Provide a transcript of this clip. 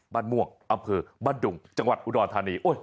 บ้านมวกมันคือบ้านดุงจังหวัดอุตดณฐานี